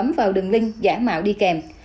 khách hàng bấm vào đường link giả mạo đi kèm